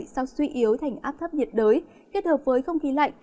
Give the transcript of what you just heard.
sau suy yếu thành áp thấp nhiệt đới kết hợp với không khí lạnh